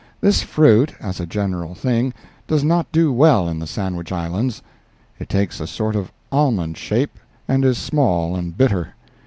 This fruit, as a general thing, does not do well in the Sandwich Islands. It takes a sort of almond shape, and is small and bitter.